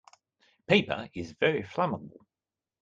Paper is very flammable.